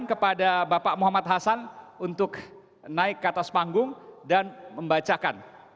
kepada bapak muhammad hasan untuk naik ke atas panggung dan membacakan